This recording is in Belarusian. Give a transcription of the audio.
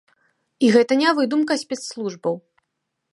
І гэта не выдумка спецслужбаў.